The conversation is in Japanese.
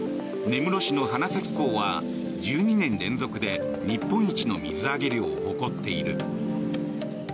根室市の花咲港は、１２年連続で日本一の水揚げ量を誇っている。